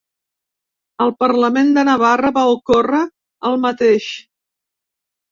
Al Parlament de Navarra va ocórrer el mateix.